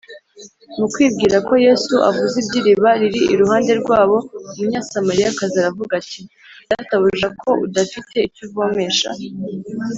Mu kwibwira ko Yesu avuze iby’iriba riri iruhande rwabo, Umunyasamariyakazi aravuga ati, “Databuja, ko udafite icyo uvomesha